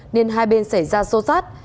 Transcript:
nên hai bên xảy ra xô xát